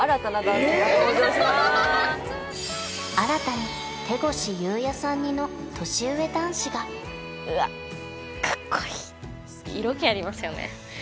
新たに手越祐也さん似の年上男子がうわかっこいい色気ありますよね